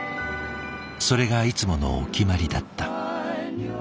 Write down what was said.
それがいつものお決まりだった。